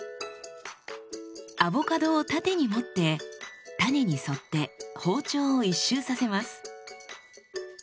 アボカドを縦に持って種に沿って包丁を一周させます。